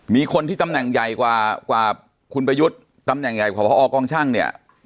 มีคนที่ตำแหน่งใหญ่กว่าคุณประยุทธ์ตำแหน่งใหญ่กว่าพอกองช่างเนี่ย